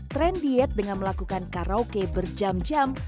tren diet dengan melakukan karaoke berjam jam